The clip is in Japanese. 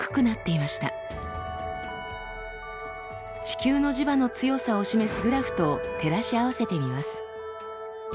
地球の磁場の強さを示すグラフと照らし合わせてみます。